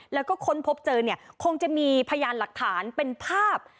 แล้วก็ค้นพบเจอเนี่ยคงจะมีพยานหลักฐานเป็นภาพ